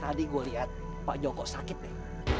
tadi gue liat pak joko sakit deh